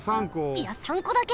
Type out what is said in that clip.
いや３こだけ！？